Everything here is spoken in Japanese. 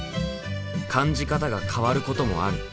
感じ方が変わることもある。